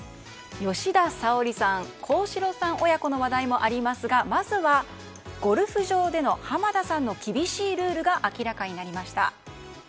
吉田沙保里さん幸四郎さん親子の話題もありますがまずはゴルフ場での浜田さんの厳しいルールが明らかになりました。